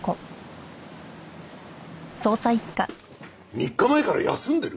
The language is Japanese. ３日前から休んでる！？